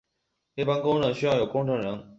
一般公证需要有公证人。